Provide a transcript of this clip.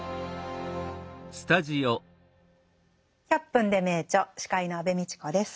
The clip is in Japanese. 「１００分ｄｅ名著」司会の安部みちこです。